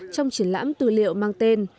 trong triển lãm tư liệu mang tên